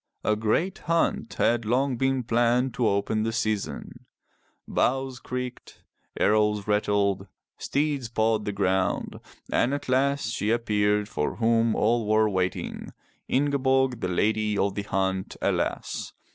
A great hunt had long been planned to open the season. Bows creaked, arrows rattled, steeds pawed the ground, and at last she appeared for whom all were waiting— Ingeborg, the Lady of the Hunt, alas!